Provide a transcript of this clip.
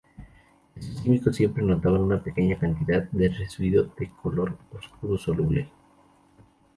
Estos químicos siempre notaban una pequeña cantidad de un residuo de color oscuro insoluble.